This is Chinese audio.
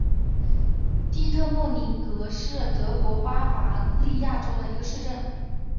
蒂特莫宁格是德国巴伐利亚州的一个市镇。